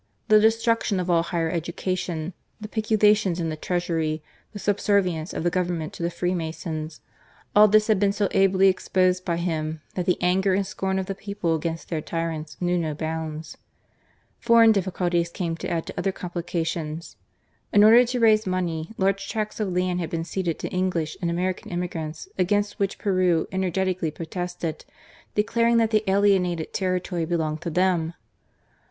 The destruction of all higher education, the peculations in the Treasury, the subservience of the Government to the Freemasons — all this had been so ably exposed by him that the anger and scorn of the people against their tyrants knew no bounds* Foreign difficulties came to add to other complications^ In order to raise money, large tracts of laiKi had been ceded to English and American emigrants, against which Peru energetically pro tested, declaring that the alienated territory belonged to them